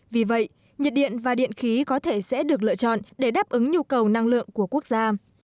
vì vậy nhiệt điện và điện khí có thể sẽ được lựa chọn để đáp ứng nhu cầu năng lượng của quốc gia